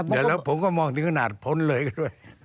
เดี๋ยวแล้วผมก็มองถึงขนาดพ้นเลยด้วย